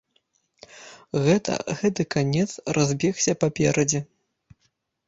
Гэта гэты канец разбегся паперадзе.